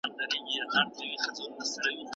سیاستپوهنه یو ژوندی علم دی.